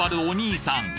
お兄さん